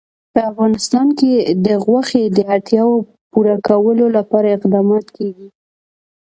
په افغانستان کې د غوښې د اړتیاوو پوره کولو لپاره اقدامات کېږي.